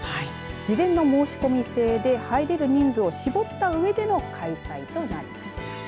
事前の申し込み制で入れる人数を絞ったうえでの開催となりました。